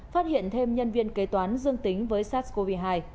phát hiện thêm nhân viên kế toán dương tính với sars cov hai